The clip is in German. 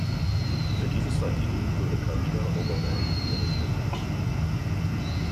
Für dieses Vergehen wurde Camila O’Gorman hingerichtet.